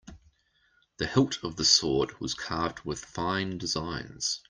The hilt of the sword was carved with fine designs.